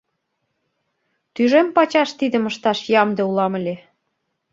— Тӱжем пачаш тидым ышташ ямде улам ыле!